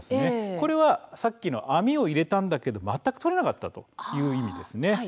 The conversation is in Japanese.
これはさっきの網を入れたものの全く取れなかったという意味です。